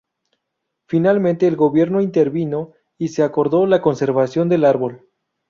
Finalmente, el gobierno intervino y se acordó la conservación del árbol.